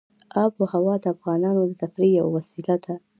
آب وهوا د افغانانو د تفریح یوه وسیله ده.